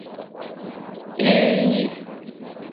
«Эй-й!»